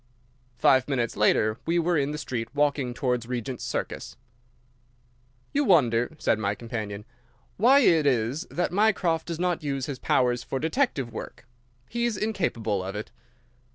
Five minutes later we were in the street, walking towards Regent's Circus. "You wonder," said my companion, "why it is that Mycroft does not use his powers for detective work. He is incapable of it."